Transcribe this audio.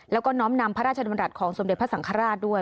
แล้วก็น้อมนำพระราชดำรัฐของสมเด็จพระสังฆราชด้วย